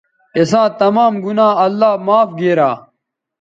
اِساں تمام گنا اللہ معاف گیرا